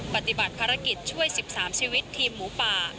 ปฏิบัติภารกิจช่วย๑๓ชีวิตทีมหมูป่า